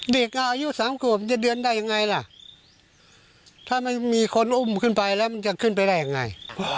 เด็กอายุสามขวบจะเดือนได้ยังไงล่ะถ้าไม่มีคนอุ้มขึ้นไปแล้วมันจะขึ้นไปได้ยังไง